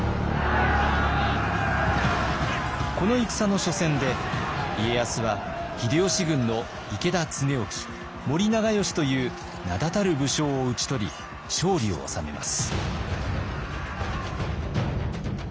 この戦の初戦で家康は秀吉軍の池田恒興森長可という名だたる武将を討ち取り勝利を収めます。